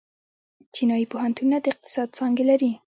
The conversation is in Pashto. چینايي پوهنتونونه د اقتصاد څانګې لري.